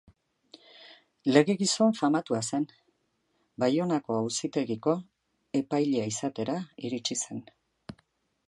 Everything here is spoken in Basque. Lege gizon famatua zen, Baionako Auzitegiko epailea izatera iritsi zen.